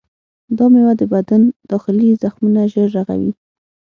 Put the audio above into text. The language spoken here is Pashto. دا میوه د بدن داخلي زخمونه ژر رغوي.